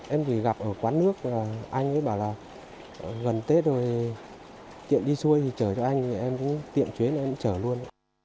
em gặp ở quán nước anh ấy bảo là gần tết rồi tiệm đi xuôi thì trở cho anh em cũng tiệm chuyến em trở luôn